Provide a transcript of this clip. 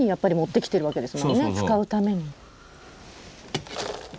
使うために。